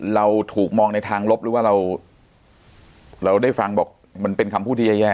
เราถูกมองในทางลบหรือว่าเราได้ฟังบอกมันเป็นคำพูดที่แย่